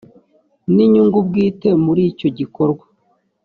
n inyungu bwite muri icyo gikorwa